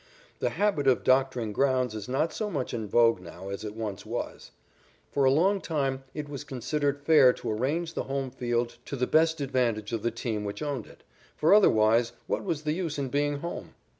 The habit of doctoring grounds is not so much in vogue now as it once was. For a long time it was considered fair to arrange the home field to the best advantage of the team which owned it, for otherwise what was the use in being home?